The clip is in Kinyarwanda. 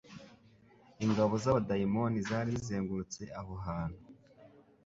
Ingabo z'abadaimoni zari zizengurutse aho hantu.